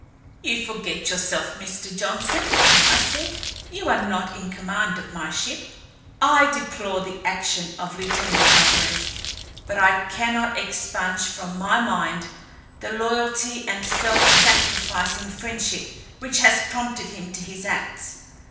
"You forget yourself, Mr. Johnson," I said. "You are not in command of the ship. I deplore the action of Lieutenant Alvarez, but I cannot expunge from my mind the loyalty and self sacrificing friendship which has prompted him to his acts.